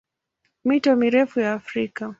Mito mirefu ya Afrika